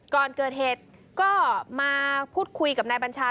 ก่อนเกิดเหตุก็มาพูดคุยกับนายบัญชา